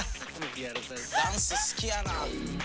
「ダンス好きやな」